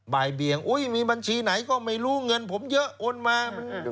บ่ายเบียงมีบัญชีไหนก็ไม่รู้เงินผมเยอะโอนมา